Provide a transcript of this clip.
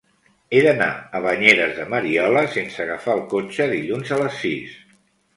He d'anar a Banyeres de Mariola sense agafar el cotxe dilluns a les sis.